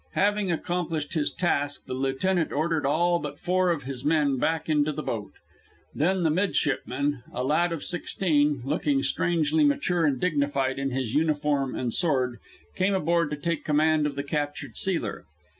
Having accomplished his task, the lieutenant ordered all but four of his men back into the boat. Then the midshipman, a lad of sixteen, looking strangely mature and dignified in his uniform and sword, came aboard to take command of the captured sealer.